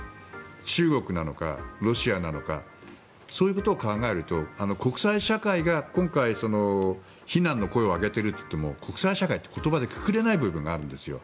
中国なのか、ロシアなのかそういうことを考えると国際社会が今回非難の声を上げているといっても国際社会って言葉でくくれない部分があるんですよ。